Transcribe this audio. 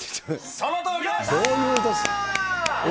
そのとおりです。